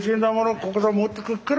ここさ持ってくっから